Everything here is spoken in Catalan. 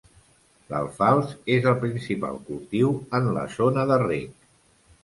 L'alfals és el principal cultiu en la zona de reg.